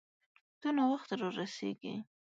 ته ناوخته را رسیږې